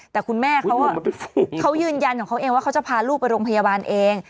แต่คุณแม่เขายืนยันของเขาเองว่าเขาจะพาลูกไปโรงพยาบาลเอง